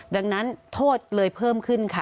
ดังนั้นโทษเลยเพิ่มขึ้นค่ะ